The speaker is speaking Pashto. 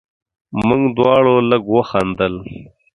موږ دواړو لږ وخندل.